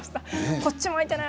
こっちも空いていない。